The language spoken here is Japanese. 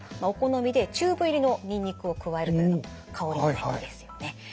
お好みでチューブ入りのにんにくを加えるというのも香りがいいですよね。